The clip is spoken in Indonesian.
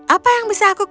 apa yang bisa aku lakukan